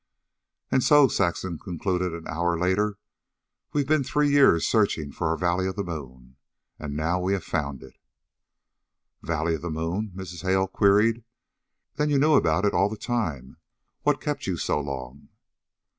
"And so," Saxon concluded, an hour later, "we've been three years searching for our valley of the moon, and now we've found it." "Valley of the Moon?" Mrs. Hale queried. "Then you knew about it all the time. What kept you so long?"